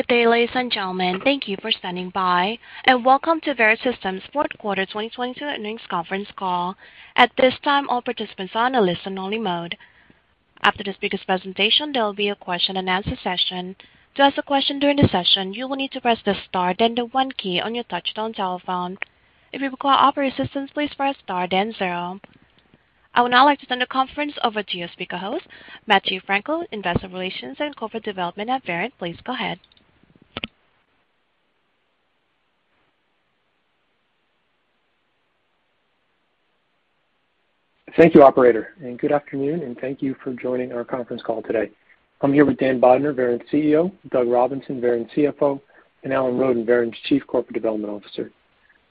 Good day, ladies and gentlemen. Thank you for standing by, and welcome to Verint Systems' fourth quarter 2022 earnings conference call. At this time, all participants are on a listen-only mode. After the speaker's presentation, there will be a question-and-answer session. To ask a question during the session, you will need to press the star then the 1 key on your touch-tone telephone. If you require operator assistance, please press star then zero. I would now like to turn the conference over to your speaker host, Matthew Frankel, Investor Relations and Corporate Development at Verint. Please go ahead. Thank you, operator, and good afternoon, and thank you for joining our conference call today. I'm here with Dan Bodner, Verint's CEO, Doug Robinson, Verint's CFO, and Alan Roden, Verint's Chief Corporate Development Officer.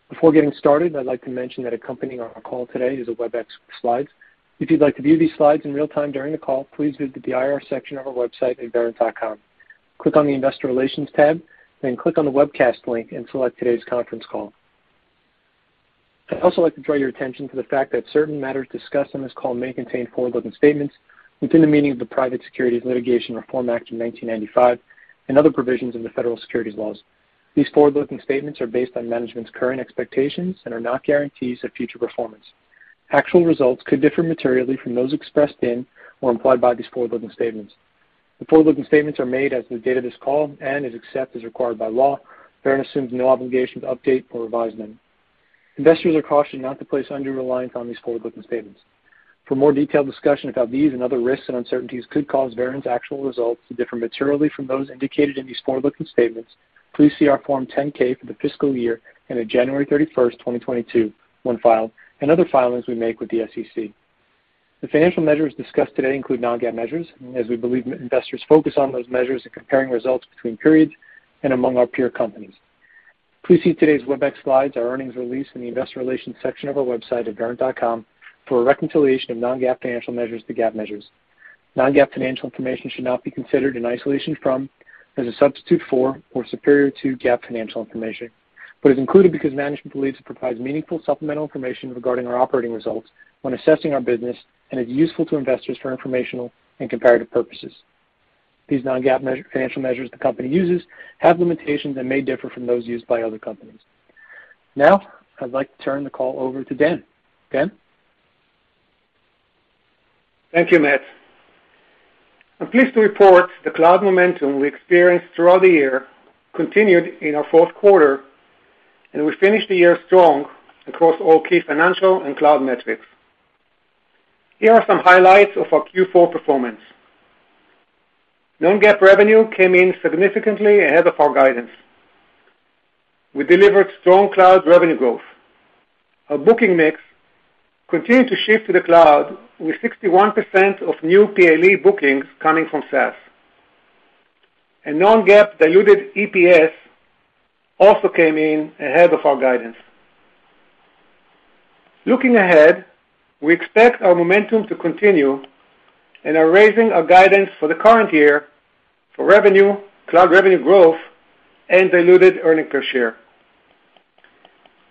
Before getting started, I'd like to mention that accompanying our call today is a Webex slides. If you'd like to view these slides in real time during the call, please visit the IR section of our website at verint.com. Click on the Investor Relations tab, then click on the Webcast link and select today's conference call. I'd also like to draw your attention to the fact that certain matters discussed on this call may contain forward-looking statements within the meaning of the Private Securities Litigation Reform Act of 1995 and other provisions in the federal securities laws. These forward-looking statements are based on management's current expectations and are not guarantees of future performance. Actual results could differ materially from those expressed in or implied by these forward-looking statements. The forward-looking statements are made as of the date of this call except as required by law. Verint assumes no obligation to update or revise them. Investors are cautioned not to place undue reliance on these forward-looking statements. For more detailed discussion about these and other risks and uncertainties that could cause Verint's actual results to differ materially from those indicated in these forward-looking statements, please see our Form 10-K for the fiscal year ended January 31, 2022 when filed and other filings we make with the SEC. The financial measures discussed today include non-GAAP measures, as we believe investors focus on those measures in comparing results between periods and among our peer companies. Please see today's Webex slides, our earnings release in the investor relations section of our website at verint.com for a reconciliation of non-GAAP financial measures to GAAP measures. Non-GAAP financial information should not be considered in isolation from, as a substitute for, or superior to GAAP financial information, but is included because management believes it provides meaningful supplemental information regarding our operating results when assessing our business and is useful to investors for informational and comparative purposes. These non-GAAP measures, financial measures the company uses have limitations and may differ from those used by other companies. Now, I'd like to turn the call over to Dan. Dan? Thank you, Matt. I'm pleased to report the cloud momentum we experienced throughout the year continued in our fourth quarter, and we finished the year strong across all key financial and cloud metrics. Here are some highlights of our Q4 performance. Non-GAAP revenue came in significantly ahead of our guidance. We delivered strong cloud revenue growth. Our booking mix continued to shift to the cloud, with 61% of new PLE bookings coming from SaaS. Non-GAAP diluted EPS also came in ahead of our guidance. Looking ahead, we expect our momentum to continue and are raising our guidance for the current year for revenue, cloud revenue growth and diluted earnings per share.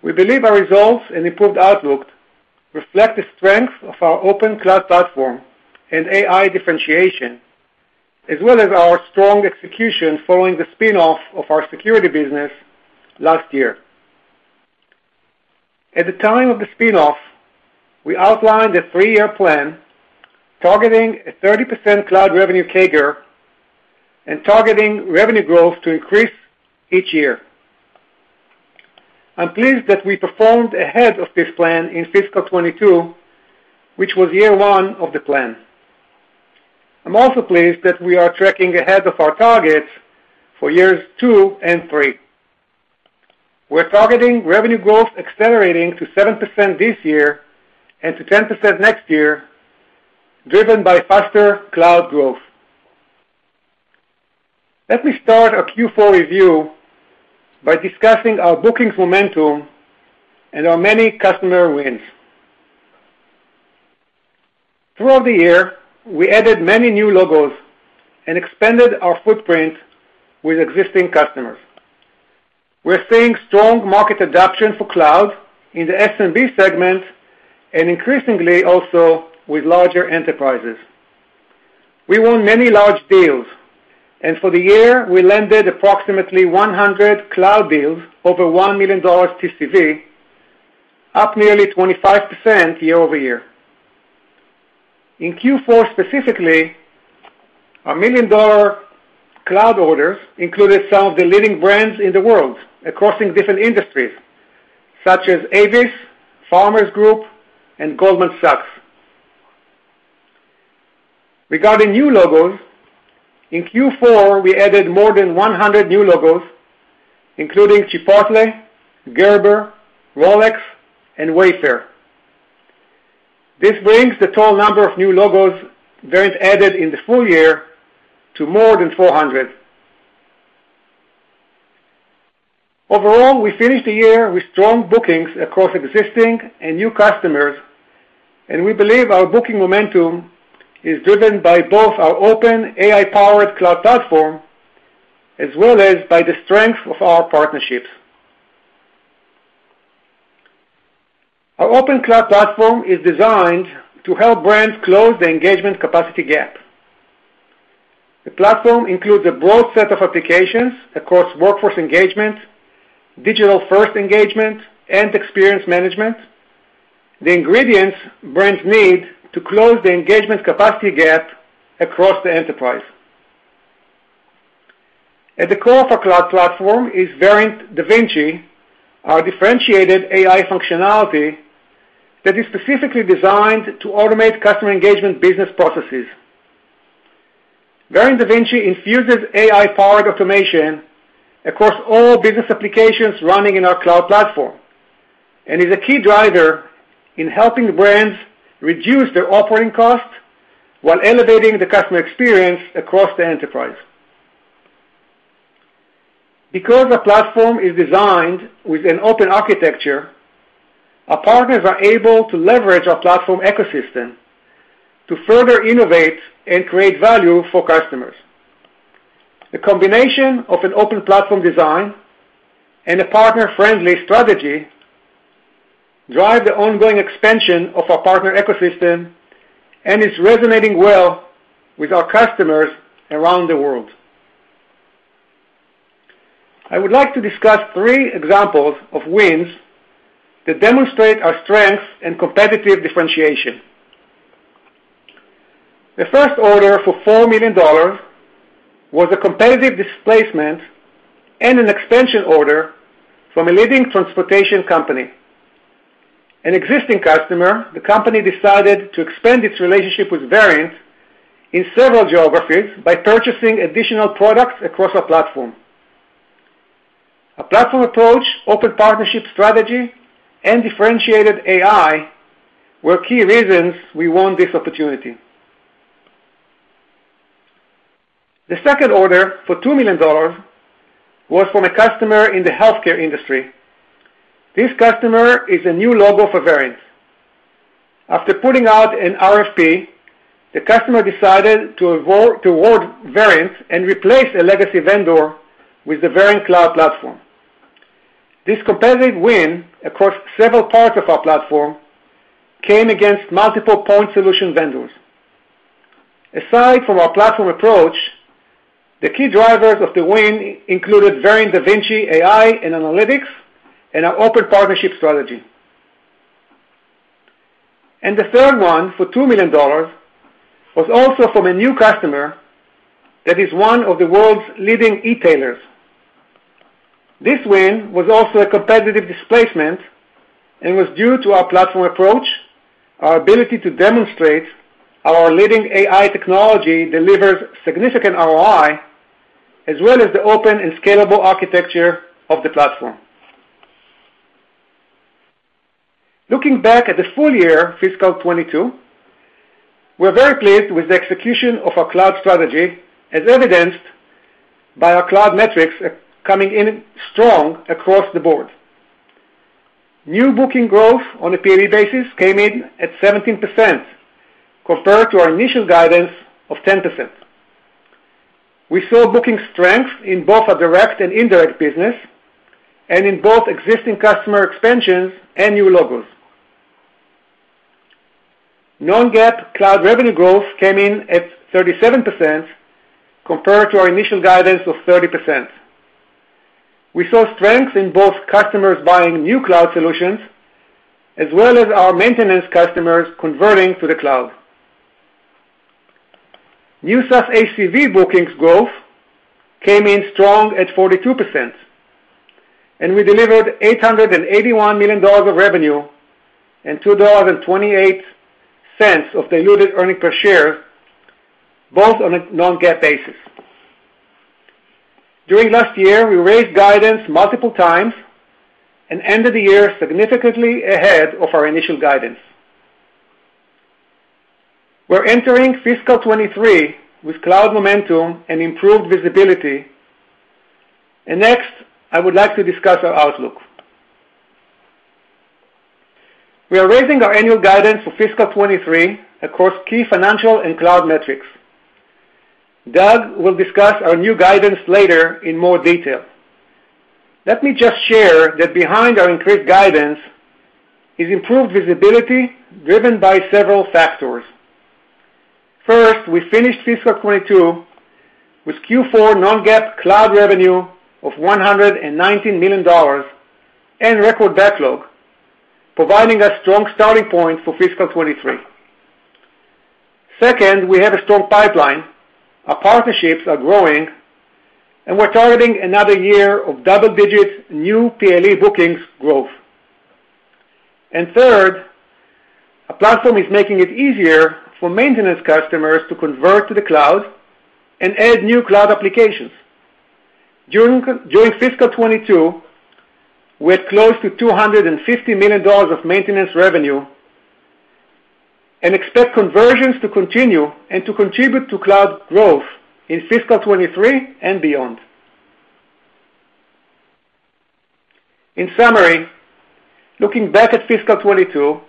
We believe our results and improved outlook reflect the strength of our open cloud platform and AI differentiation, as well as our strong execution following the spin-off of our security business last year. At the time of the spin-off, we outlined a 3-year plan targeting a 30% cloud revenue CAGR and targeting revenue growth to increase each year. I'm pleased that we performed ahead of this plan in fiscal 2022, which was year 1 of the plan. I'm also pleased that we are tracking ahead of our targets for years 2 and 3. We're targeting revenue growth accelerating to 7% this year and to 10% next year, driven by faster cloud growth. Let me start our Q4 review by discussing our bookings momentum and our many customer wins. Throughout the year, we added many new logos and expanded our footprint with existing customers. We're seeing strong market adoption for cloud in the SMB segment and increasingly also with larger enterprises. We won many large deals. For the year, we landed approximately 100 cloud deals over $1 million TCV, up nearly 25% year-over-year. In Q4 specifically, our $1 million cloud orders included some of the leading brands in the world across different industries, such as Avis, Farmers Group, and Goldman Sachs. Regarding new logos, in Q4, we added more than 100 new logos, including Chipotle, Gerber, Rolex, and Wayfair. This brings the total number of new logos Verint added in the full year to more than 400. Overall, we finished the year with strong bookings across existing and new customers, and we believe our booking momentum is driven by both our open AI-powered cloud platform, as well as by the strength of our partnerships. Our open cloud platform is designed to help brands close the engagement capacity gap. The platform includes a broad set of applications across workforce engagement, digital first engagement, and experience management. The ingredients brands need to close the engagement capacity gap across the enterprise. At the core of our cloud platform is Verint Da Vinci, our differentiated AI functionality that is specifically designed to automate customer engagement business processes. Verint Da Vinci infuses AI-powered automation across all business applications running in our cloud platform, and is a key driver in helping brands reduce their operating costs while elevating the customer experience across the enterprise. Because our platform is designed with an open architecture, our partners are able to leverage our platform ecosystem to further innovate and create value for customers. The combination of an open platform design and a partner friendly strategy drive the ongoing expansion of our partner ecosystem, and is resonating well with our customers around the world. I would like to discuss three examples of wins that demonstrate our strengths and competitive differentiation. The first order for $4 million was a competitive displacement and an extension order from a leading transportation company. An existing customer, the company decided to expand its relationship with Verint in several geographies by purchasing additional products across our platform. A platform approach, open partnership strategy, and differentiated AI were key reasons we won this opportunity. The second order for $2 million was from a customer in the healthcare industry. This customer is a new logo for Verint. After putting out an RFP, the customer decided to award Verint and replace a legacy vendor with the Verint cloud platform. This competitive win across several parts of our platform came against multiple point solution vendors. Aside from our platform approach, the key drivers of the win included Verint Da Vinci AI and analytics, and our open partnership strategy. The third one for $2 million was also from a new customer that is one of the world's leading e-tailers. This win was also a competitive displacement and was due to our platform approach, our ability to demonstrate how our leading AI technology delivers significant ROI, as well as the open and scalable architecture of the platform. Looking back at the full year fiscal 2022, we're very pleased with the execution of our cloud strategy, as evidenced by our cloud metrics coming in strong across the board. New booking growth on a PLE basis came in at 17% compared to our initial guidance of 10%. We saw booking strength in both our direct and indirect business and in both existing customer expansions and new logos. Non-GAAP cloud revenue growth came in at 37% compared to our initial guidance of 30%. We saw strength in both customers buying new cloud solutions, as well as our maintenance customers converting to the cloud. New SaaS ACV bookings growth came in strong at 42%, and we delivered $881 million of revenue and $2.28 of diluted earnings per share, both on a non-GAAP basis. During last year, we raised guidance multiple times and ended the year significantly ahead of our initial guidance. We're entering fiscal 2023 with cloud momentum and improved visibility. Next, I would like to discuss our outlook. We are raising our annual guidance for fiscal 2023 across key financial and cloud metrics. Doug will discuss our new guidance later in more detail. Let me just share that behind our increased guidance is improved visibility driven by several factors. First, we finished fiscal 2022 with Q4 non-GAAP cloud revenue of $119 million and record backlog, providing a strong starting point for fiscal 2023. Second, we have a strong pipeline. Our partnerships are growing, and we're targeting another year of double-digit new PLE bookings growth. Third, our platform is making it easier for maintenance customers to convert to the cloud and add new cloud applications. During fiscal 2022, we had close to $250 million of maintenance revenue and expect conversions to continue and to contribute to cloud growth in fiscal 2023 and beyond. In summary, looking back at fiscal 2022,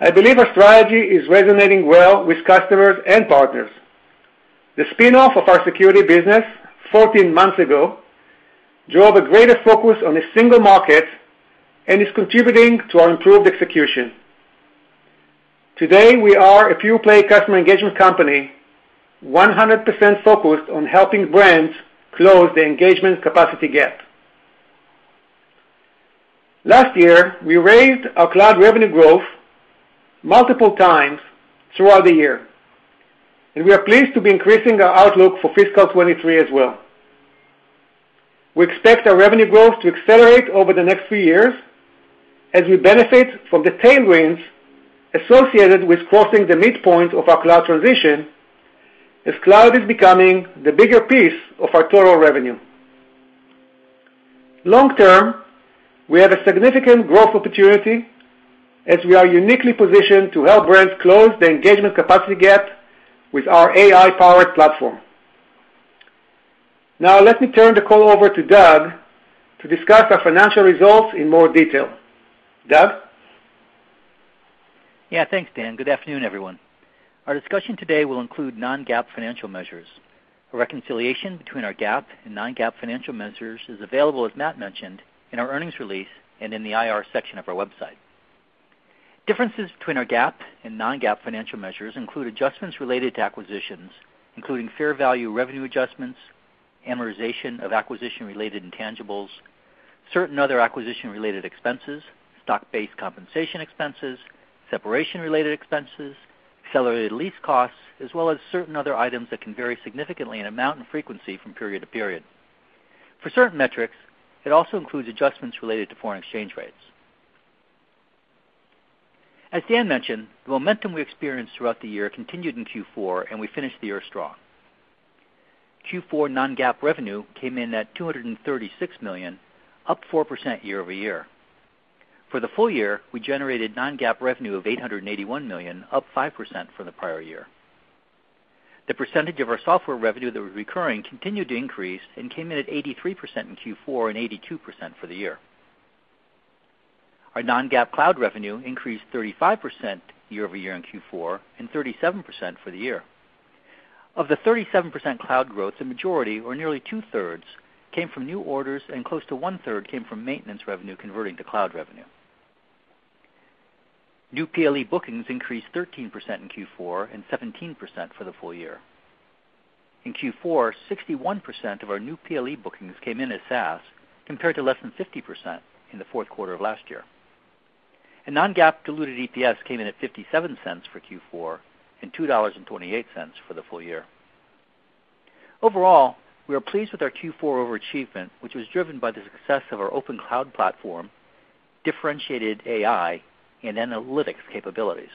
I believe our strategy is resonating well with customers and partners. The spin-off of our security business 14 months ago drove a greater focus on a single market and is contributing to our improved execution. Today, we are a pure-play customer engagement company 100% focused on helping brands close the engagement capacity gap. Last year, we raised our cloud revenue growth multiple times throughout the year, and we are pleased to be increasing our outlook for fiscal 2023 as well. We expect our revenue growth to accelerate over the next few years as we benefit from the tailwinds associated with crossing the midpoint of our cloud transition as cloud is becoming the bigger piece of our total revenue. Long term, we have a significant growth opportunity as we are uniquely positioned to help brands close the engagement capacity gap with our AI-powered platform. Now, let me turn the call over to Doug to discuss our financial results in more detail. Doug? Yeah, thanks, Dan. Good afternoon, everyone. Our discussion today will include non-GAAP financial measures. A reconciliation between our GAAP and non-GAAP financial measures is available, as Matt mentioned, in our earnings release and in the IR section of our website. Differences between our GAAP and non-GAAP financial measures include adjustments related to acquisitions, including fair value revenue adjustments, amortization of acquisition-related intangibles, certain other acquisition-related expenses, stock-based compensation expenses, separation-related expenses, accelerated lease costs, as well as certain other items that can vary significantly in amount and frequency from period to period. For certain metrics, it also includes adjustments related to foreign exchange rates. As Dan mentioned, the momentum we experienced throughout the year continued in Q4, and we finished the year strong. Q4 non-GAAP revenue came in at $236 million, up 4% year-over-year. For the full year, we generated non-GAAP revenue of $881 million, up 5% for the prior year. The percentage of our software revenue that was recurring continued to increase and came in at 83% in Q4 and 82% for the year. Our non-GAAP cloud revenue increased 35% year-over-year in Q4 and 37% for the year. Of the 37% cloud growth, the majority or nearly two-thirds came from new orders and close to one-third came from maintenance revenue converting to cloud revenue. New PLE bookings increased 13% in Q4 and 17% for the full year. In Q4, 61% of our new PLE bookings came in as SaaS, compared to less than 50% in the fourth quarter of last year. non-GAAP diluted EPS came in at $0.57 for Q4 and $2.28 for the full year. Overall, we are pleased with our Q4 overachievement, which was driven by the success of our open cloud platform, differentiated AI, and analytics capabilities.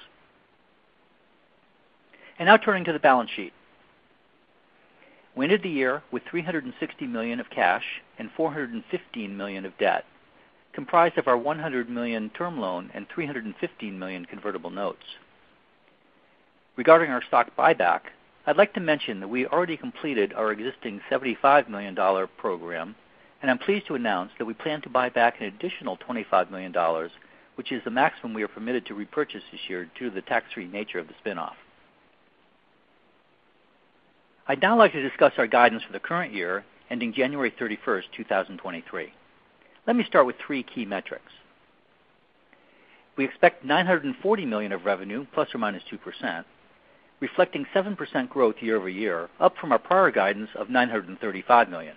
Now turning to the balance sheet. We ended the year with $360 million of cash and $415 million of debt, comprised of our $100 million term loan and $315 million convertible notes. Regarding our stock buyback, I'd like to mention that we already completed our existing $75 million program, and I'm pleased to announce that we plan to buy back an additional $25 million, which is the maximum we are permitted to repurchase this year due to the tax-free nature of the spin-off. I'd now like to discuss our guidance for the current year, ending January 31, 2023. Let me start with three key metrics. We expect $940 million of revenue ±2%, reflecting 7% growth year-over-year, up from our prior guidance of $935 million.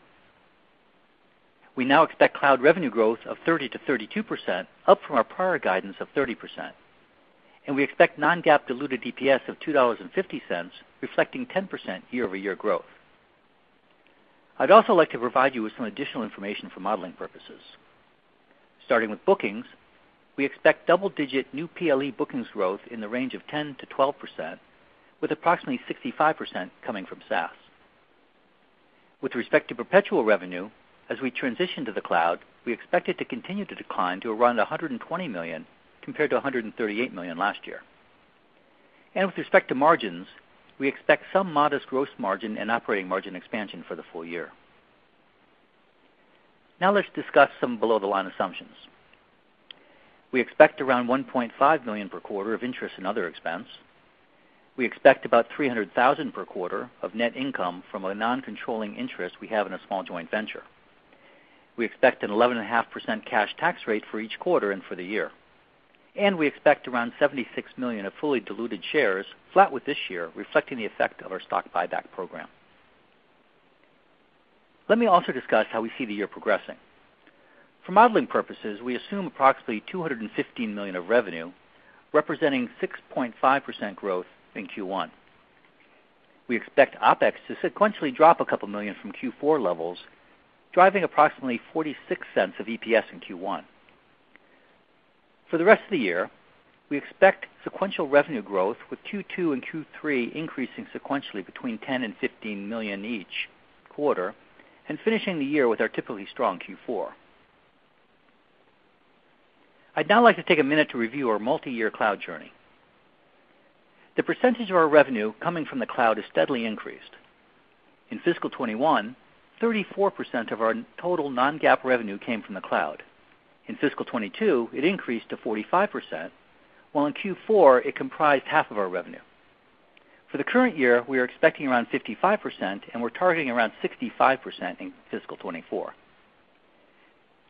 We now expect cloud revenue growth of 30%-32%, up from our prior guidance of 30%. We expect non-GAAP diluted EPS of $2.50, reflecting 10% year-over-year growth. I'd also like to provide you with some additional information for modeling purposes. Starting with bookings, we expect double-digit new PLE bookings growth in the range of 10%-12%, with approximately 65% coming from SaaS. With respect to perpetual revenue, as we transition to the cloud, we expect it to continue to decline to around $120 million compared to $138 million last year. With respect to margins, we expect some modest gross margin and operating margin expansion for the full year. Now, let's discuss some below-the-line assumptions. We expect around $1.5 million per quarter of interest and other expense. We expect about $300,000 per quarter of net income from a non-controlling interest we have in a small joint venture. We expect an 11.5% cash tax rate for each quarter and for the year. We expect around 76 million of fully diluted shares, flat with this year, reflecting the effect of our stock buyback program. Let me also discuss how we see the year progressing. For modeling purposes, we assume approximately $215 million of revenue, representing 6.5% growth in Q1. We expect OpEx to sequentially drop a couple million from Q4 levels, driving approximately $0.46 of EPS in Q1. For the rest of the year, we expect sequential revenue growth, with Q2 and Q3 increasing sequentially between $10 million and $15 million each quarter and finishing the year with our typically strong Q4. I'd now like to take a minute to review our multi-year cloud journey. The percentage of our revenue coming from the cloud has steadily increased. In fiscal 2021, 34% of our total non-GAAP revenue came from the cloud. In fiscal 2022, it increased to 45%, while in Q4, it comprised half of our revenue. For the current year, we are expecting around 55%, and we're targeting around 65% in fiscal 2024.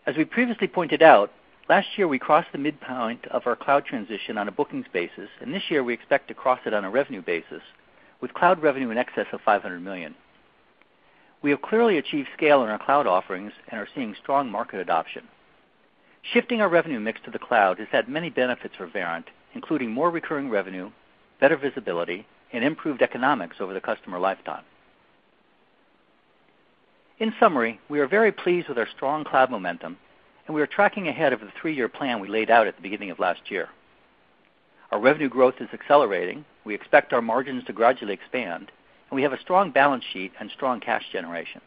As we previously pointed out, last year we crossed the midpoint of our cloud transition on a bookings basis, and this year we expect to cross it on a revenue basis with cloud revenue in excess of $500 million. We have clearly achieved scale in our cloud offerings and are seeing strong market adoption. Shifting our revenue mix to the cloud has had many benefits for Verint, including more recurring revenue, better visibility, and improved economics over the customer lifetime. In summary, we are very pleased with our strong cloud momentum, and we are tracking ahead of the three-year plan we laid out at the beginning of last year. Our revenue growth is accelerating. We expect our margins to gradually expand, and we have a strong balance sheet and strong cash generation.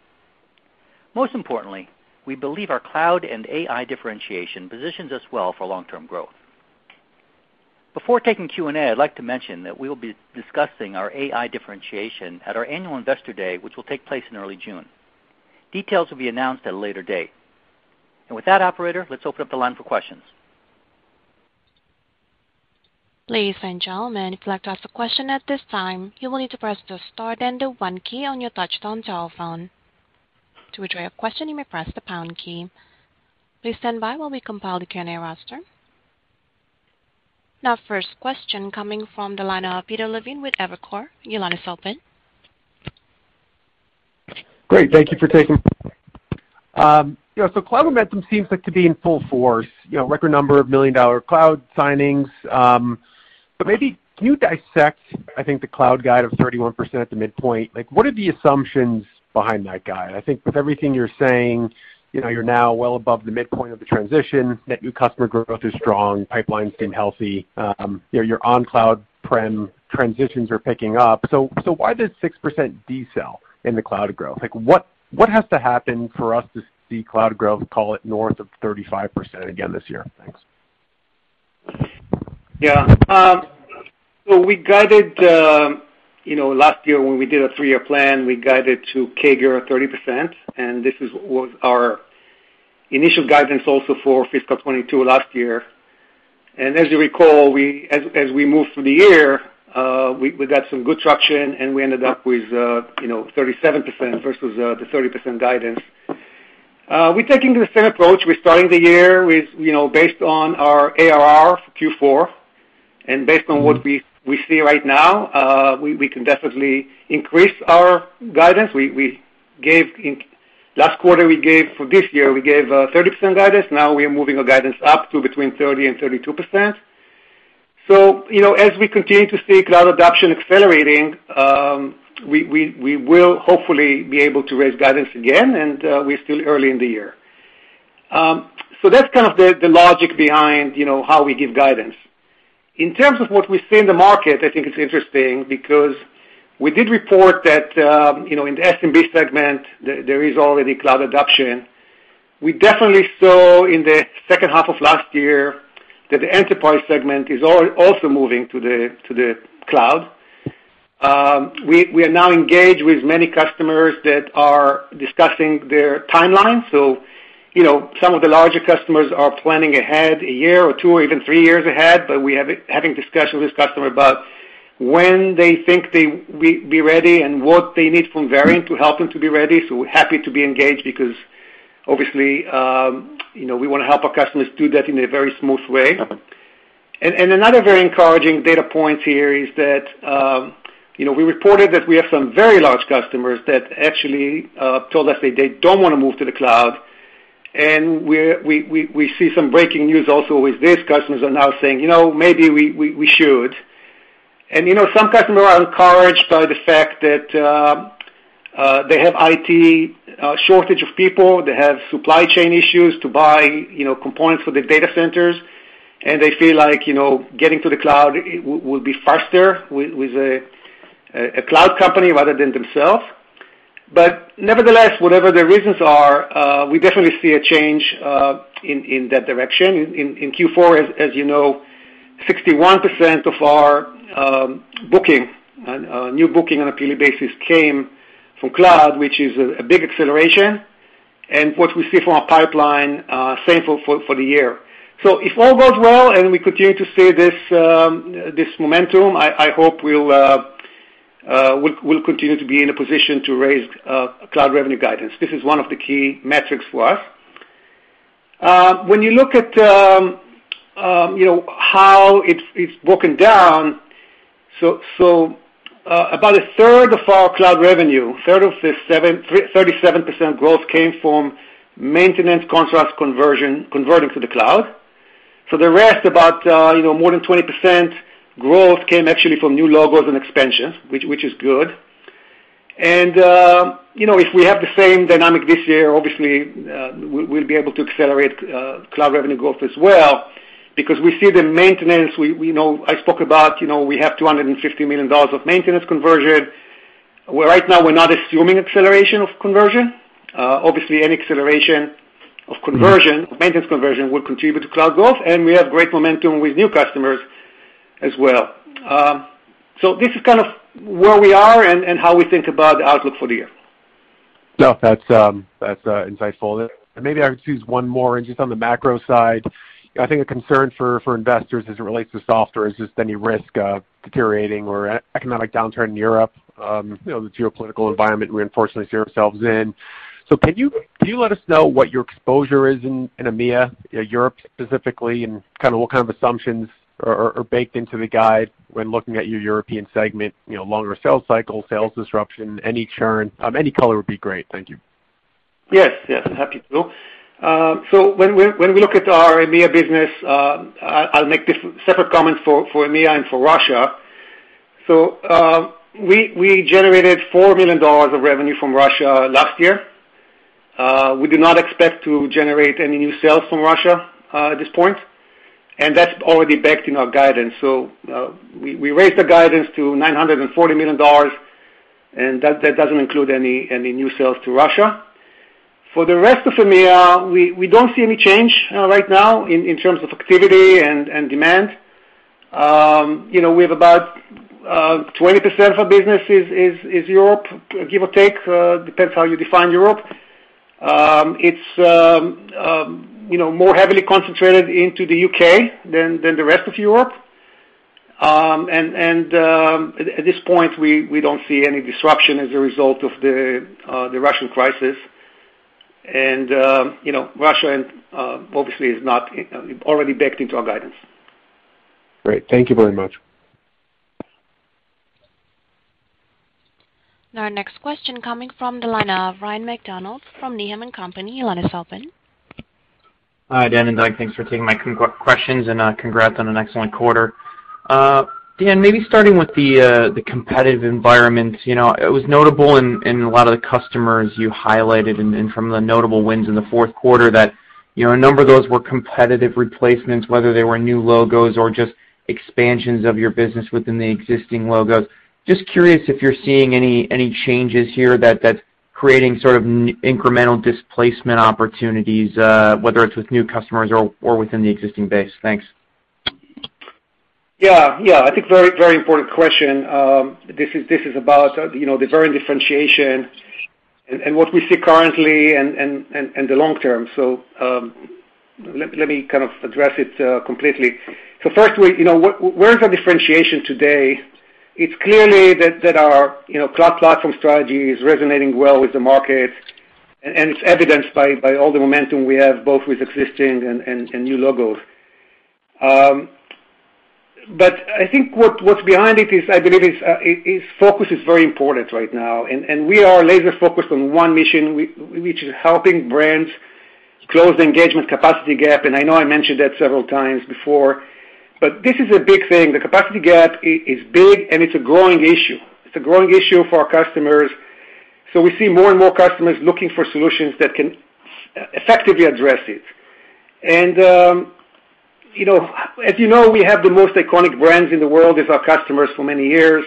Most importantly, we believe our cloud and AI differentiation positions us well for long-term growth. Before taking Q&A, I'd like to mention that we will be discussing our AI differentiation at our annual investor day, which will take place in early June. Details will be announced at a later date. With that operator, let's open up the line for questions. Ladies and gentlemen, if you'd like to ask a question at this time, you will need to press the star then the one key on your touchtone telephone. To withdraw your question, you may press the pound key. Please stand by while we compile the Q&A roster. Now, first question coming from the line of Peter Levine with Evercore. Your line is open. Great. Thank you for taking my question. You know, cloud momentum seems like to be in full force, you know, record number of million-dollar cloud signings. Maybe can you dissect, I think, the cloud guide of 31% at the midpoint? Like, what are the assumptions behind that guide? I think with everything you're saying, you know, you're now well above the midpoint of the transition. Net new customer growth is strong. Pipelines seem healthy. You know, your on-prem transitions are picking up. Why does 6% decel in the cloud growth? Like, what has to happen for us to see cloud growth, call it north of 35% again this year? Thanks. Yeah. So we guided, you know, last year when we did a 3-year plan, we guided to CAGR 30%, and this was our initial guidance also for fiscal 2022 last year. As you recall, as we moved through the year, we got some good traction, and we ended up with, you know, 37% versus the 30% guidance. We're taking the same approach. We're starting the year with, you know, based on our ARR Q4. Based on what we see right now, we can definitely increase our guidance. Last quarter we gave, for this year, we gave, 30% guidance. Now we are moving our guidance up to between 30% and 32%. You know, as we continue to see cloud adoption accelerating, we will hopefully be able to raise guidance again, and we're still early in the year. That's kind of the logic behind, you know, how we give guidance. In terms of what we see in the market, I think it's interesting because we did report that in the SMB segment there is already cloud adoption. We definitely saw in the second half of last year that the enterprise segment is also moving to the cloud. We are now engaged with many customers that are discussing their timeline. You know, some of the larger customers are planning ahead a year or two or even three years ahead, but we're having discussions with customers about when they think they will be ready and what they need from Verint to help them to be ready. We're happy to be engaged because obviously, you know, we wanna help our customers do that in a very smooth way. Another very encouraging data point here is that, you know, we reported that we have some very large customers that actually told us that they don't wanna move to the cloud. We see some breaking news also with these customers are now saying, "You know, maybe we should." You know, some customers are encouraged by the fact that they have IT shortage of people. They have supply chain issues to buy, you know, components for the data centers, and they feel like, you know, getting to the cloud will be faster with a cloud company rather than themselves. Nevertheless, whatever their reasons are, we definitely see a change in that direction. In Q4, as you know, 61% of our new booking on a yearly basis came from cloud, which is a big acceleration. What we see from our pipeline, same for the year. If all goes well and we continue to see this momentum, I hope we'll continue to be in a position to raise cloud revenue guidance. This is one of the key metrics for us. When you look at, you know, how it's broken down. About a third of our cloud revenue, third of the 37% growth came from maintenance contracts conversion, converting to the cloud. The rest, about, you know, more than 20% growth came actually from new logos and expansions, which is good. If we have the same dynamic this year, obviously, we'll be able to accelerate cloud revenue growth as well because we see the maintenance. We know I spoke about, you know, we have $250 million of maintenance conversion. Right now we're not assuming acceleration of conversion. Obviously any acceleration of conversion, of maintenance conversion will contribute to cloud growth, and we have great momentum with new customers as well. This is kind of where we are and how we think about the outlook for the year. No, that's insightful. Maybe I would choose one more just on the macro side. I think a concern for investors as it relates to software is just any risk of deteriorating or economic downturn in Europe, you know, the geopolitical environment we unfortunately see ourselves in. Can you let us know what your exposure is in EMEA, Europe specifically, and kind of what kind of assumptions are baked into the guide when looking at your European segment, you know, longer sales cycle, sales disruption, any churn? Any color would be great. Thank you. Yes. Yes, happy to. When we look at our EMEA business, I'll make separate comments for EMEA and for Russia. We generated $4 million of revenue from Russia last year. We do not expect to generate any new sales from Russia at this point, and that's already baked in our guidance. We raised the guidance to $940 million, and that doesn't include any new sales to Russia. For the rest of EMEA, we don't see any change right now in terms of activity and demand. You know, we have about 20% of our business is Europe, give or take, depends how you define Europe. It's, you know, more heavily concentrated into the U.K. than the rest of Europe. At this point, we don't see any disruption as a result of the Russian crisis. You know, Russia, and obviously, is not already baked into our guidance. Great. Thank you very much. Now our next question coming from the line of Ryan MacDonald from Needham & Company. Your line is open. Hi, Dan and Doug. Thanks for taking my questions and congrats on an excellent quarter. Dan, maybe starting with the competitive environment. You know, it was notable in a lot of the customers you highlighted and from the notable wins in the fourth quarter that a number of those were competitive replacements, whether they were new logos or just expansions of your business within the existing logos. Just curious if you're seeing any changes here that's creating sort of incremental displacement opportunities, whether it's with new customers or within the existing base. Thanks. Yeah. Yeah. I think very, very important question. This is about, you know, the Verint differentiation and what we see currently and the long term. Let me kind of address it completely. First, we, you know, where is our differentiation today? It's clearly that our, you know, cloud platform strategy is resonating well with the market, and it's evidenced by all the momentum we have both with existing and new logos. I think what's behind it is, I believe, focus is very important right now. We are laser-focused on one mission, which is helping brands close the engagement capacity gap. I know I mentioned that several times before, but this is a big thing. The capacity gap is big, and it's a growing issue. It's a growing issue for our customers. We see more and more customers looking for solutions that can effectively address it. You know, as you know, we have the most iconic brands in the world as our customers for many years.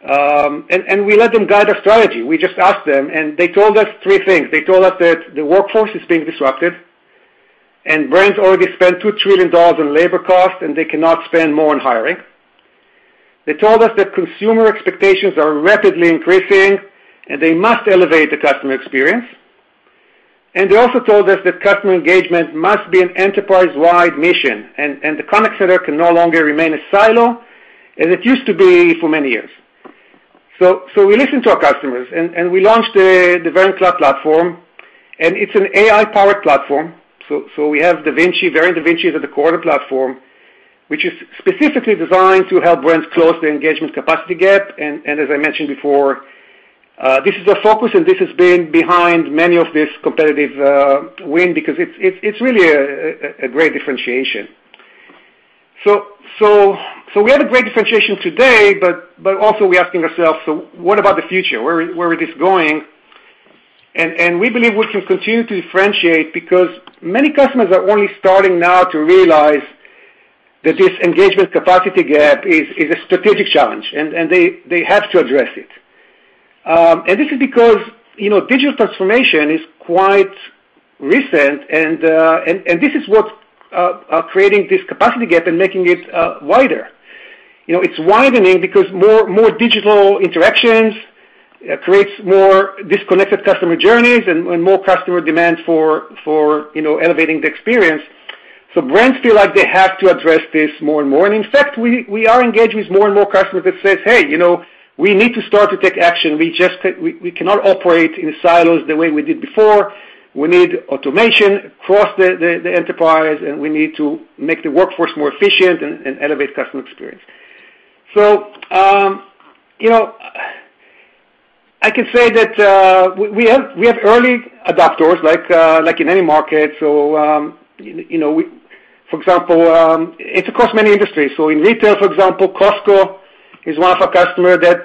We let them guide our strategy. We just ask them, and they told us three things. They told us that the workforce is being disrupted and brands already spend $2 trillion in labor costs, and they cannot spend more on hiring. They told us that consumer expectations are rapidly increasing, and they must elevate the customer experience. They also told us that customer engagement must be an enterprise-wide mission, and the contact center can no longer remain a silo as it used to be for many years. We listened to our customers and we launched the Verint Cloud platform, and it's an AI-powered platform. We have Da Vinci, Verint Da Vinci is at the core of the platform, which is specifically designed to help brands close the engagement capacity gap. As I mentioned before, this is a focus, and this has been behind many of these competitive win because it's really a great differentiation. We have a great differentiation today, but also we're asking ourselves, what about the future? Where is this going? We believe we can continue to differentiate because many customers are only starting now to realize that this engagement capacity gap is a strategic challenge, and they have to address it. This is because, you know, digital transformation is quite recent, and this is what's creating this capacity gap and making it wider. You know, it's widening because more digital interactions creates more disconnected customer journeys and more customer demands for you know, elevating the experience. Brands feel like they have to address this more and more. In fact, we are engaged with more and more customers that says, "Hey, you know, we need to start to take action. We cannot operate in silos the way we did before. We need automation across the enterprise, and we need to make the workforce more efficient and elevate customer experience." You know, I can say that we have early adopters like in any market. For example, it's across many industries. In retail, for example, Costco is one of our customer that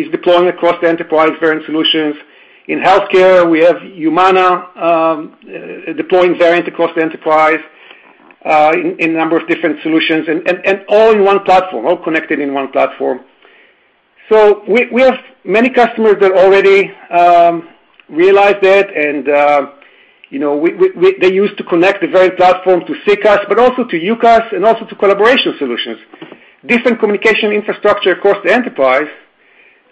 is deploying across the enterprise Verint solutions. In healthcare, we have Humana deploying Verint across the enterprise, in a number of different solutions and all in one platform, all connected in one platform. We have many customers that already realized that and you know they used to connect the Verint platform to CCaaS, but also to UCaaS, and also to collaboration solutions. Different communication infrastructure across the enterprise.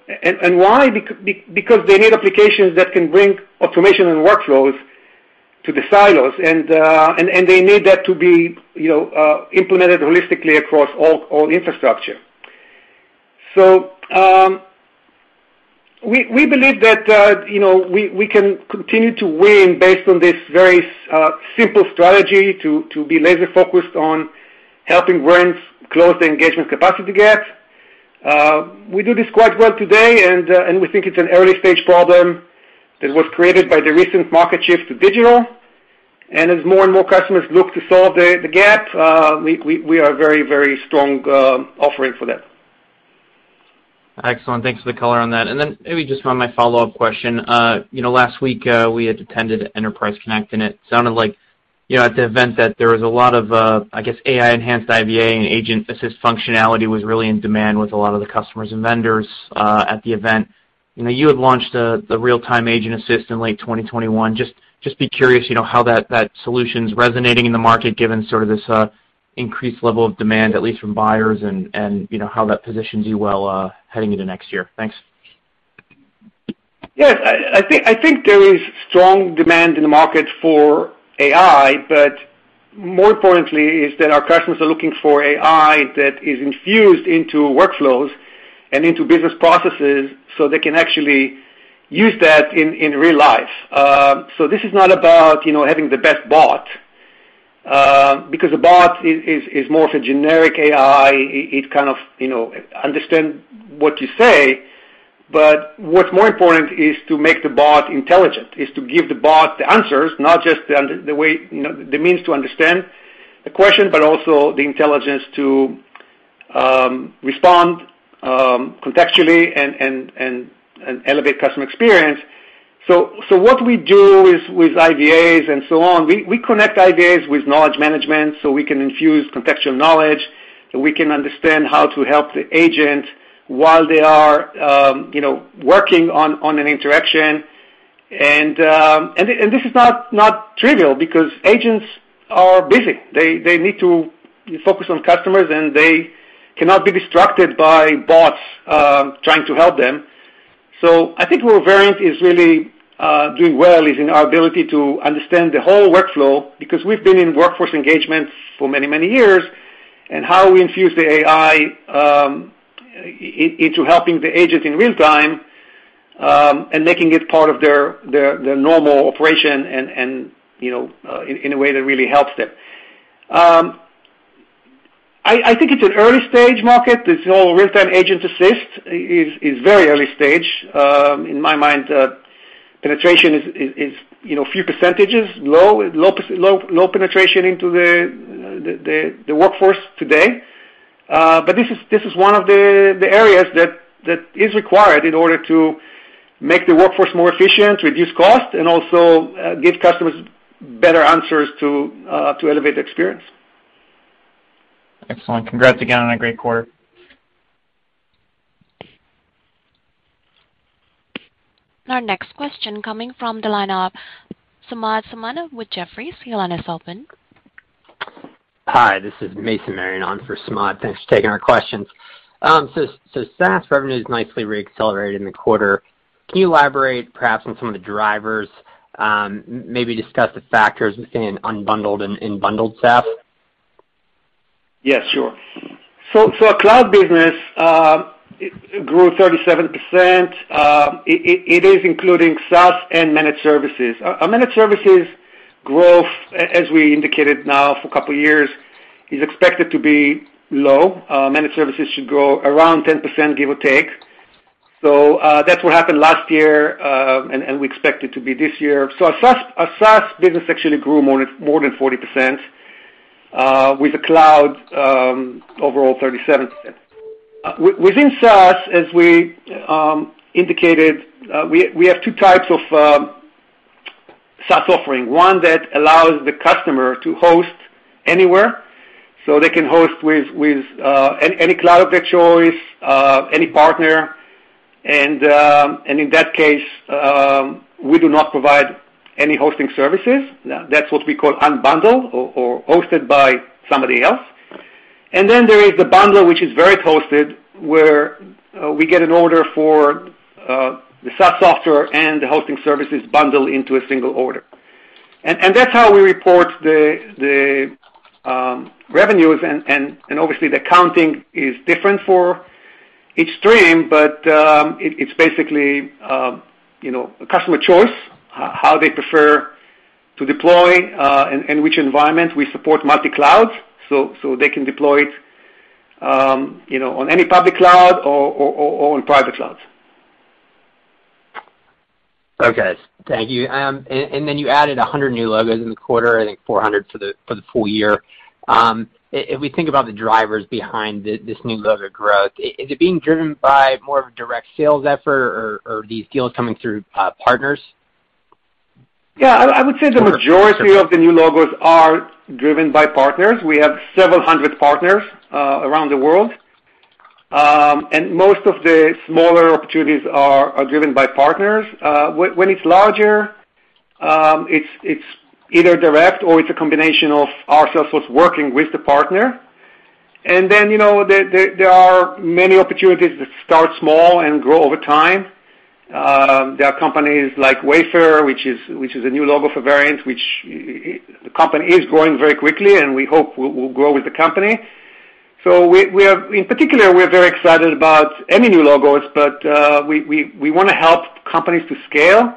Why? Because they need applications that can bring automation and workflows to the silos and they need that to be you know implemented holistically across all infrastructure. We believe that you know we can continue to win based on this very simple strategy to be laser focused on helping brands close the engagement capacity gap. We do this quite well today and we think it's an early stage problem that was created by the recent market shift to digital. As more and more customers look to solve the gap, we are very, very strong offering for that. Excellent. Thanks for the color on that. Maybe just one more follow-up question. You know, last week, we had attended Enterprise Connect, and it sounded like, you know, at the event that there was a lot of, I guess, AI enhanced IVA and agent assist functionality was really in demand with a lot of the customers and vendors at the event. You know, you had launched the real-time agent assist in late 2021. Just be curious, you know, how that solution's resonating in the market given sort of this increased level of demand, at least from buyers and, you know, how that positions you well heading into next year. Thanks. Yes. I think there is strong demand in the market for AI, but more importantly is that our customers are looking for AI that is infused into workflows and into business processes so they can actually use that in real life. So this is not about, you know, having the best bot, because a bot is more of a generic AI. It kind of, you know, understand what you say. But what's more important is to make the bot intelligent, is to give the bot the answers, not just the way, you know, the means to understand the question, but also the intelligence to respond contextually and elevate customer experience. What we do is with IVAs and so on, we connect IVAs with knowledge management, so we can infuse contextual knowledge, so we can understand how to help the agent while they are working on an interaction. This is not trivial because agents are busy. They need to focus on customers, and they cannot be distracted by bots trying to help them. I think where Verint is really doing well is in our ability to understand the whole workflow because we've been in workforce engagement for many years and how we infuse the AI into helping the agent in real time, and making it part of their normal operation in a way that really helps them. I think it's an early stage market. This whole real-time agent assist is very early stage. In my mind, penetration is you know, few percentages. Low penetration into the workforce today. This is one of the areas that is required in order to make the workforce more efficient, reduce cost, and also give customers better answers to elevate the experience. Excellent. Congrats again on a great quarter. Our next question coming from the line of Samad Samana with Jefferies. Your line is open. Hi, this is Mason Marion on for Samad. Thanks for taking our questions. SaaS revenue is nicely re-accelerated in the quarter. Can you elaborate perhaps on some of the drivers? Maybe discuss the factors in unbundled and in bundled SaaS. Yes, sure. Our cloud business grew 37%. It is including SaaS and managed services. Our managed services growth, as we indicated now for a couple years, is expected to be low. Managed services should grow around 10%, give or take. That's what happened last year, and we expect it to be this year. Our SaaS business actually grew more than 40%, with the cloud overall 37%. Within SaaS, as we indicated, we have two types of SaaS offering. One that allows the customer to host anywhere, so they can host with any cloud of their choice, any partner. In that case, we do not provide any hosting services. That's what we call unbundled or hosted by somebody else. There is the bundle, which is Verint hosted, where we get an order for the SaaS software and the hosting services bundled into a single order. That's how we report the revenues and obviously the accounting is different for each stream. It's basically you know a customer choice how they prefer to deploy and which environment. We support multi-cloud, so they can deploy it you know on any public cloud or on private clouds. Okay. Thank you. You added 100 new logos in the quarter, I think 400 for the full year. If we think about the drivers behind this new logo growth, is it being driven by more of a direct sales effort or these deals coming through partners? Yeah, I would say the majority of the new logos are driven by partners. We have several hundred partners around the world. Most of the smaller opportunities are driven by partners. When it's larger, it's either direct or it's a combination of our sales force working with the partner. Then, you know, there are many opportunities that start small and grow over time. There are companies like Wayfair, which is a new logo for Verint, which the company is growing very quickly, and we hope we'll grow with the company. We are in particular very excited about any new logos, but we wanna help companies to scale.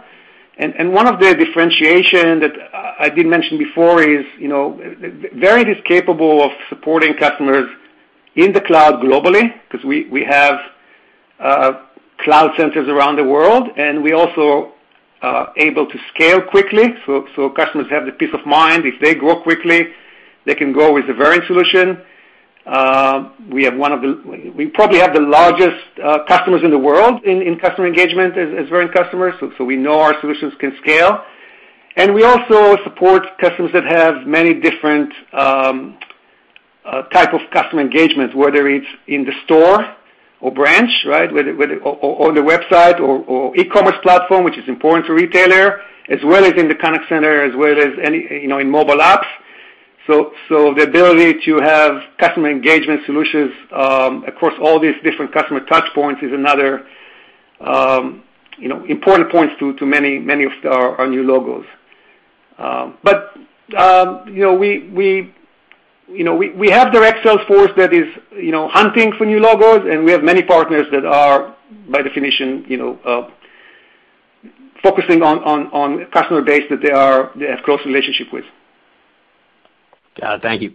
One of the differentiations that I did mention before is, you know, Verint is capable of supporting customers in the cloud globally because we have cloud centers around the world, and we also are able to scale quickly. Customers have the peace of mind. If they grow quickly, they can grow with the Verint solution. We have one of the—we probably have the largest customers in the world in customer engagement as Verint customers, so we know our solutions can scale. We also support customers that have many different type of customer engagements, whether it's in the store or branch, right? Whether on the website or e-commerce platform, which is important to retailer, as well as in the contact center, as well as any, you know, in mobile apps. The ability to have customer engagement solutions across all these different customer touchpoints is another, you know, important points to many of our new logos. You know, we have direct sales force that is, you know, hunting for new logos, and we have many partners that are, by definition, you know, focusing on customer base that they have close relationship with. Thank you.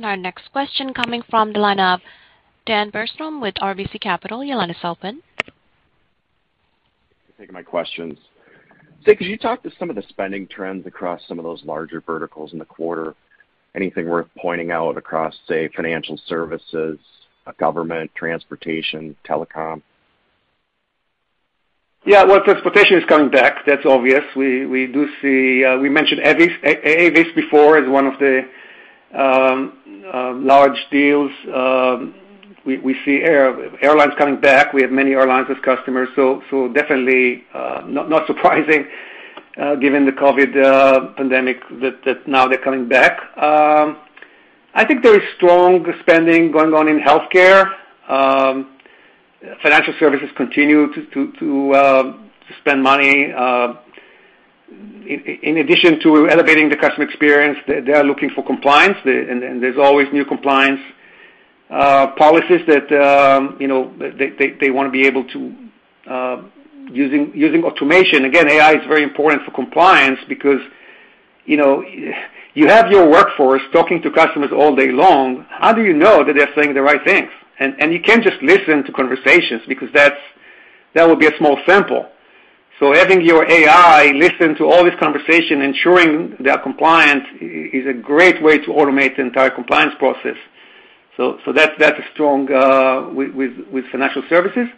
Our next question coming from the line of Dan Bergstrom with RBC Capital. Your line is open. Thank you for taking my questions. Dan, could you talk to some of the spending trends across some of those larger verticals in the quarter? Anything worth pointing out across, say, financial services, government, transportation, telecom? Yeah. Well, transportation is coming back. That's obvious. We do see, we mentioned Avis. Avis before is one of the large deals. We see airlines coming back. We have many airlines as customers, so definitely not surprising given the COVID pandemic that now they're coming back. I think there is strong spending going on in healthcare. Financial services continue to spend money. In addition to elevating the customer experience, they are looking for compliance. And there's always new compliance policies that, you know, they wanna be able to using automation. Again, AI is very important for compliance because, you know, you have your workforce talking to customers all day long, how do you know that they're saying the right things? You can't just listen to conversations because that would be a small sample. Having your AI listen to all these conversation, ensuring they are compliant is a great way to automate the entire compliance process. That's strong with financial services.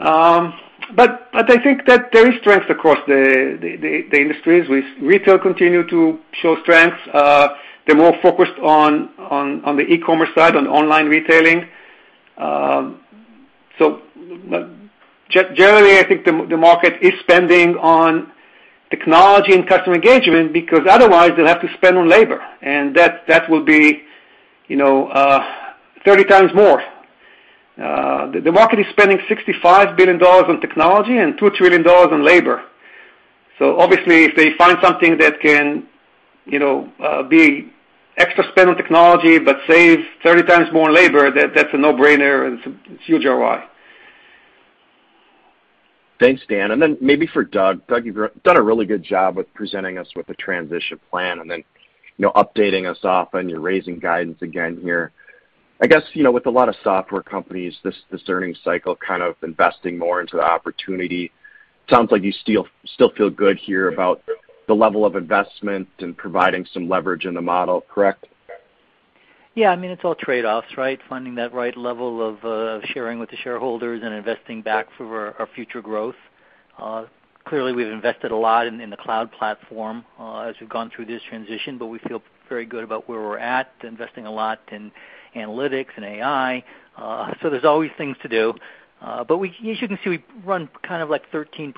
But I think that there is strength across the industries. Retail continues to show strength. They're more focused on the e-commerce side, on online retailing. Generally, I think the market is spending on technology and customer engagement because otherwise they'll have to spend on labor, and that will be, you know, 30 times more. The market is spending $65 billion on technology and $2 trillion on labor. Obviously, if they find something that can, you know, be extra spend on technology but save 30 times more on labor, that's a no-brainer and it's huge ROI. Thanks, Dan. Maybe for Doug. Doug, you've done a really good job with presenting us with a transition plan and then, you know, updating us often. You're raising guidance again here. I guess, you know, with a lot of software companies, this earnings cycle kind of investing more into the opportunity. Sounds like you still feel good here about the level of investment and providing some leverage in the model, correct? Yeah. I mean, it's all trade-offs, right? Finding that right level of sharing with the shareholders and investing back for our future growth. Clearly, we've invested a lot in the cloud platform as we've gone through this transition, but we feel very good about where we're at, investing a lot in analytics and AI. So there's always things to do. But as you can see, we run kind of like 13%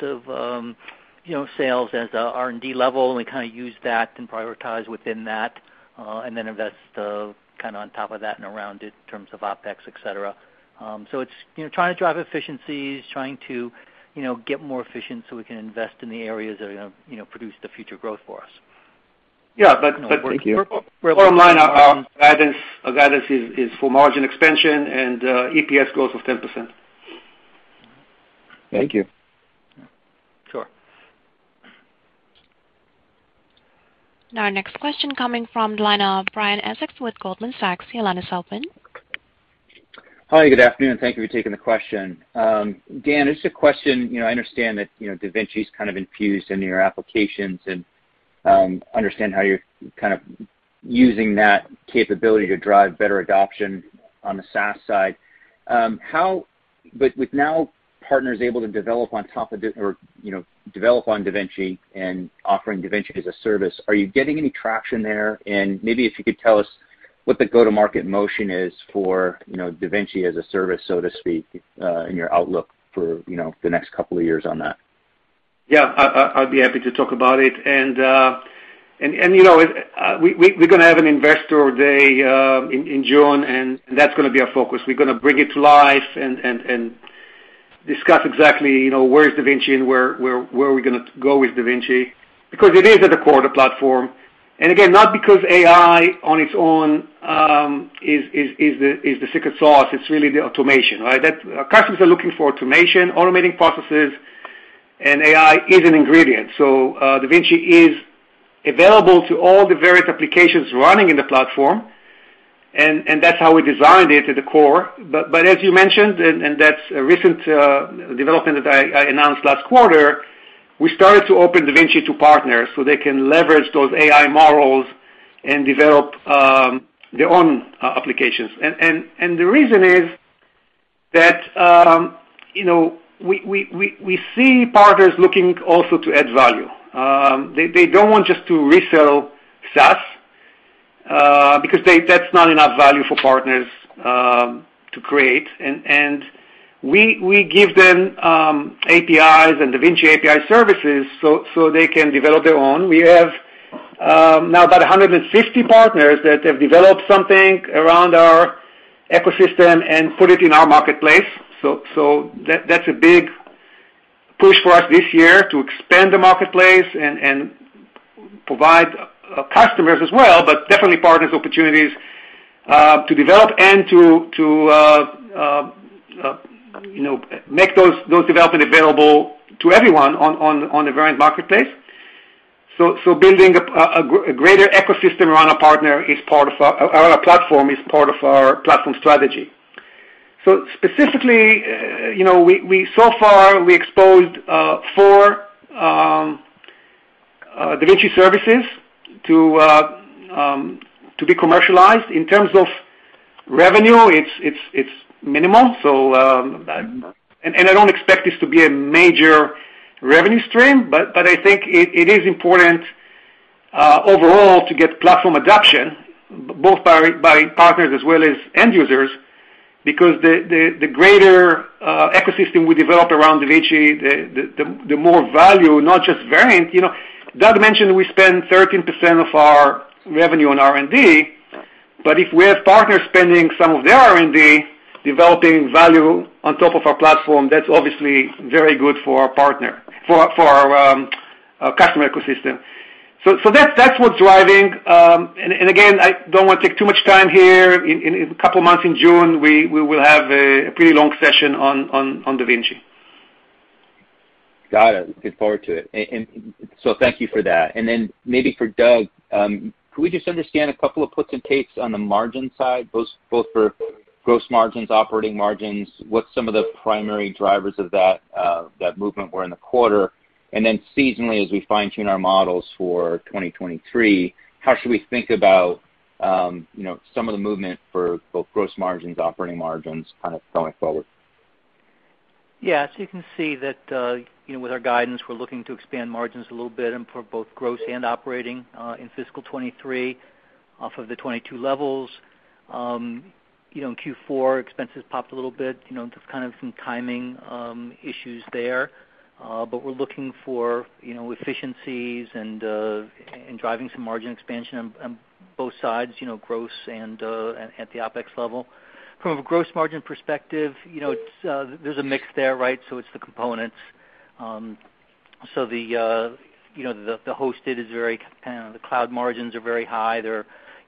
of sales as R&D level and kinda use that and prioritize within that, and then invest kinda on top of that and around it in terms of OpEx, et cetera. It's you know trying to drive efficiencies you know get more efficient so we can invest in the areas that are gonna you know produce the future growth for us. Yeah, but- Thank you. Bottom line, our guidance is for margin expansion and EPS growth of 10%. Thank you. Sure. Our next question coming from the line of Brian Essex with Goldman Sachs. Your line is open. Hi, good afternoon. Thank you for taking the question. Dan, just a question. You know, I understand that, you know, Da Vinci is kind of infused into your applications, and I understand how you're kind of using that capability to drive better adoption on the SaaS side. With partners now able to develop on top of Da Vinci or, you know, develop on Da Vinci and offering Da Vinci as a service, are you getting any traction there? Maybe if you could tell us what the go-to-market motion is for, you know, Da Vinci as a service, so to speak, in your outlook for, you know, the next couple of years on that. Yeah. I'd be happy to talk about it. You know, we're gonna have an investor day in June, and that's gonna be our focus. We're gonna bring it to life and discuss exactly, you know, where is Da Vinci and where are we gonna go with Da Vinci because it is at the core of the platform. Again, not because AI on its own is the secret sauce. It's really the automation, right? That customers are looking for automation, automating processes, and AI is an ingredient. Da Vinci is available to all the various applications running in the platform and that's how we designed it at the core. As you mentioned, that's a recent development that I announced last quarter. We started to open Da Vinci to partners so they can leverage those AI models and develop their own applications. The reason is that, you know, we see partners looking also to add value. They don't want just to resell SaaS because that's not enough value for partners to create. We give them APIs and Da Vinci API services so they can develop their own. We have now about 150 partners that have developed something around our ecosystem and put it in our marketplace. That's a big push for us this year to expand the marketplace and provide customers as well, but definitely partners opportunities to develop and to you know make those development available to everyone on the Verint marketplace. Building a greater ecosystem around our partner is part of our platform strategy. Specifically, you know, we so far exposed 4 Da Vinci services to be commercialized. In terms of revenue, it's minimal. I don't expect this to be a major revenue stream, but I think it is important overall to get platform adoption both by partners as well as end users because the greater ecosystem we develop around Da Vinci, the more value, not just Verint. You know, Doug mentioned we spend 13% of our revenue on R&D, but if we have partners spending some of their R&D developing value on top of our platform, that's obviously very good for our customer ecosystem. That's what's driving. Again, I don't want to take too much time here. In a couple of months in June, we will have a pretty long session on Da Vinci. Got it. Look forward to it. Thank you for that. Maybe for Doug, can we just understand a couple of puts and takes on the margin side, both for gross margins, operating margins? What are some of the primary drivers of that movement in the quarter? Seasonally, as we fine-tune our models for 2023, how should we think about, you know, some of the movement for both gross margins, operating margins kind of going forward? You can see that, you know, with our guidance, we're looking to expand margins a little bit and for both gross and operating in fiscal 2023 off of the 2022 levels. You know, in Q4, expenses popped a little bit, you know, just kind of some timing issues there. We're looking for, you know, efficiencies and driving some margin expansion on both sides, you know, gross and at the OpEx level. From a gross margin perspective, you know, it's. There's a mix there, right? It's the components. The cloud margins are very high.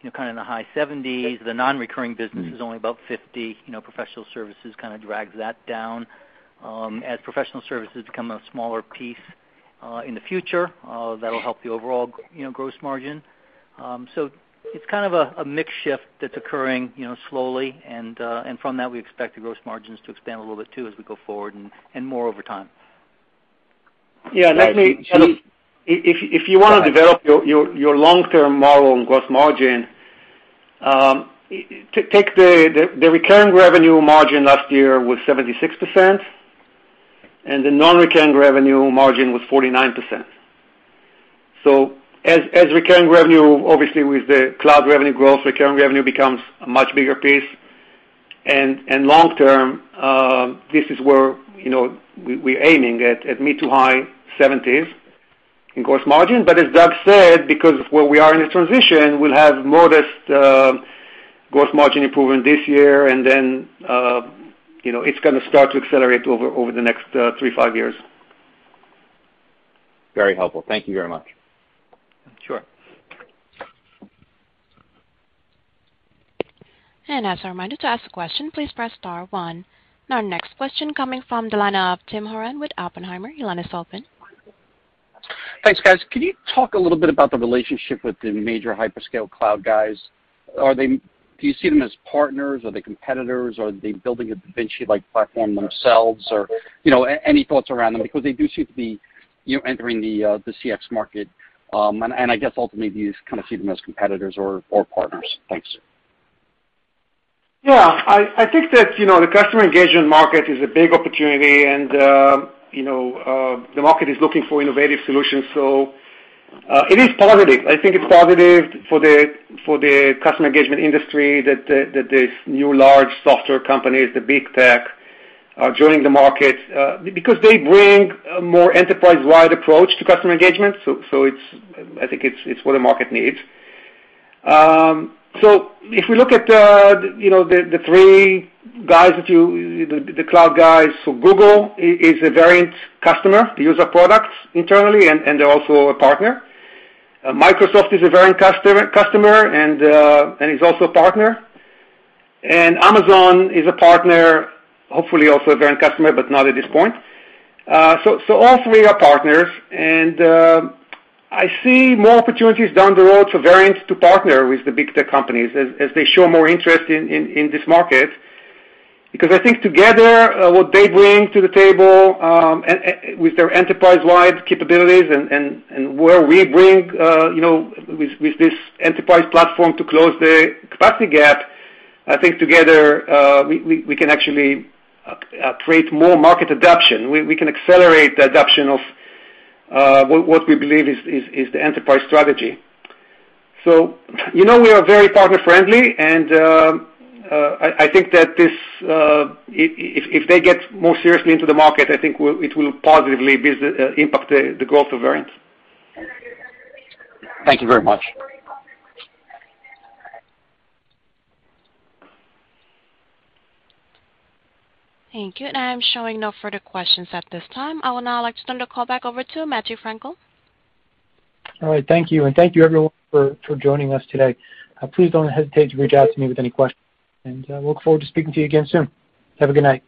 They're kind of in the high 70s%. The non-recurring business is only about 50%. You know, professional services kind of drags that down. As professional services become a smaller piece in the future, that'll help the overall, you know, gross margin. So it's kind of a mix shift that's occurring, you know, slowly. From that, we expect the gross margins to expand a little bit too as we go forward and more over time. Yeah. Right. If you want to develop your long-term model and gross margin, take the recurring revenue margin last year was 76%, and the non-recurring revenue margin was 49%. As recurring revenue, obviously with the cloud revenue growth, recurring revenue becomes a much bigger piece. Long term, this is where, you know, we're aiming at mid- to high-70s in gross margin. As Doug said, because where we are in the transition, we'll have modest gross margin improvement this year. Then, you know, it's gonna start to accelerate over the next 3 to 5 years. Very helpful. Thank you very much. Sure. As a reminder, to ask a question, please press star one. Our next question coming from the line of Tim Horan with Oppenheimer. Your line is open. Thanks, guys. Can you talk a little bit about the relationship with the major hyperscale cloud guys? Are they? Do you see them as partners? Are they competitors? Are they building a Da Vinci-like platform themselves? Or, you know, any thoughts around them because they do seem to be, you know, entering the CX market. I guess ultimately you kind of see them as competitors or partners. Thanks. Yeah. I think that, you know, the customer engagement market is a big opportunity and, you know, the market is looking for innovative solutions. It is positive. I think it's positive for the customer engagement industry that the new large software companies, the big tech, are joining the market, because they bring a more enterprise-wide approach to customer engagement. It's what the market needs. If we look at, you know, the three guys that you the cloud guys. Google is a Verint customer. They use our products internally and they're also a partner. Microsoft is a Verint customer and is also a partner. Amazon is a partner, hopefully also a Verint customer, but not at this point. All three are partners and I see more opportunities down the road for Verint to partner with the big tech companies as they show more interest in this market. Because I think together what they bring to the table and with their enterprise-wide capabilities and where we bring you know with this enterprise platform to close the capacity gap, I think together we can actually create more market adoption. We can accelerate the adoption of what we believe is the enterprise strategy. You know, we are very partner friendly and I think that if they get more seriously into the market, I think it will positively impact the growth of Verint. Thank you very much. Thank you. I'm showing no further questions at this time. I would now like to turn the call back over to Matthew Frankel. All right, thank you. Thank you everyone for joining us today. Please don't hesitate to reach out to me with any questions, and look forward to speaking to you again soon. Have a good night.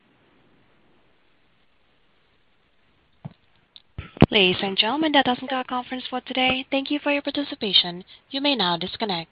Ladies and gentlemen, that does end our conference for today. Thank you for your participation. You may now disconnect.